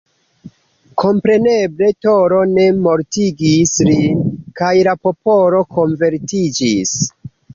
Kompreneble Toro ne mortigis lin, kaj la popolo konvertiĝis.